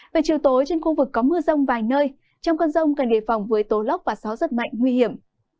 về chiều tối trên khu vực có mưa rông vài nơi trong cơn rông cần đề phòng với tố lốc và gió rất mạnh nguy hiểm